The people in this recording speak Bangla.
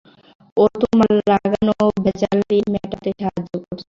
ও তোমার লাগানো ভ্যাজালই মেটাতে সাহায্য করছে।